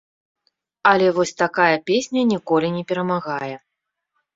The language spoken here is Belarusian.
Але вось такая песня ніколі не перамагае.